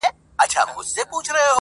پر اوږو د اوښكو ووته له ښاره!